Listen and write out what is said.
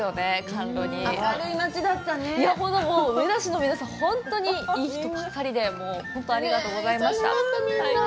本当にもう上田市の皆さん、本当にいい人ばっかりで、本当にありがとうございました。